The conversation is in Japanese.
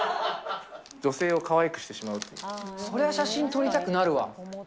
女性をかわいくしてしまうとそれは写真撮りたくなるわ。